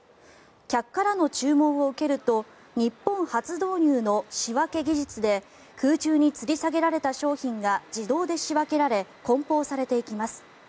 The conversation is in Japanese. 客からの注文を受けると日本初導入の仕分け技術で空中につり下げられた商品が自動で仕分けられこん包されていきます。